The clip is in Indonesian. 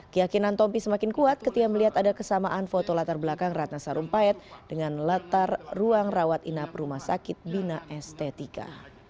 keyakinan tompi semakin kuat ketika melihat ada kesamaan foto latar belakang ratna sarumpayat dengan latar ruang rawat inap rumah sakit bina estetika